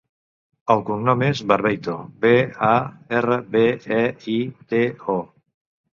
El cognom és Barbeito: be, a, erra, be, e, i, te, o.